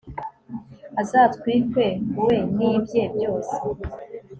azatwikwe we n'ibye byose